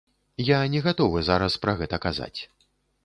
Я не гатовы зараз пра гэта казаць.